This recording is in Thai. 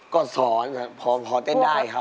ก็สอนครับพอเต้นได้ครับ